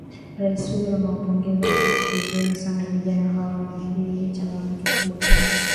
rais huyu amewapongeza vizuri sana vijana hawa na hii ni changamoto kubwa sana